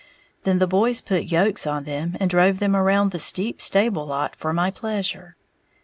Then the boys put yokes on them and drove them around the steep stable lot for my pleasure.